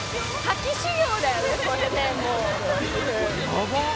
「やばっ！